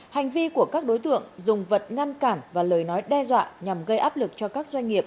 hành vi của các đối tượng dùng vật ngăn cản và lời nói đe dọa nhằm gây áp lực cho các doanh nghiệp